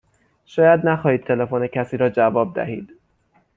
شاید نخواهید تلفن کسی را جواب دهید.